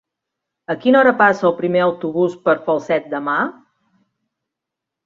A quina hora passa el primer autobús per Falset demà?